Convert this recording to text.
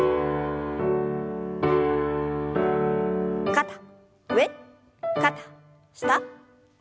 肩上肩下。